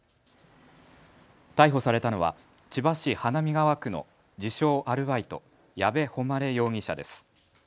逮捕されたのは千葉市花見川区の自称アルバイト、矢部誉容疑者です。